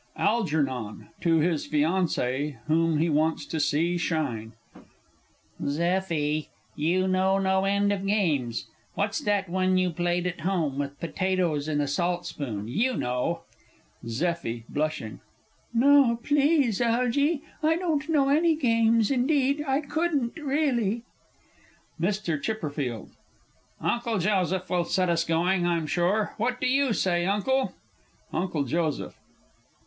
_ ALGERNON (to his Fiancée whom he wants to see shine). Zeffie, you know no end of games what's that one you played at home, with potatoes and a salt spoon, you know? ZEFFIE (blushing). No, please, Algy! I don't know any games, indeed, I couldn't really! MR. C. Uncle Joseph will set us going, I'm sure what do you say, Uncle? UNCLE JOSEPH.